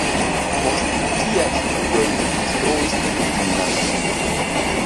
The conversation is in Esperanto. Post siaj studoj li instruis en gimnazio.